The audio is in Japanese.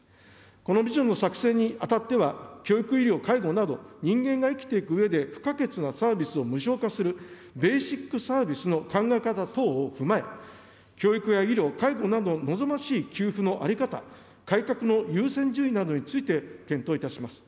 このビジョンの作成にあたっては、教育、医療、介護など人間が生きていくうえで不可欠なサービスを無償化する、ベーシックサービスの考え方等を踏まえ、教育や医療、介護など、望ましい給付の在り方、改革の優先順位などについて検討いたします。